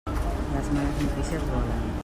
Les males notícies volen.